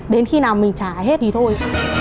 đến khi nào mình trả hết thì thôi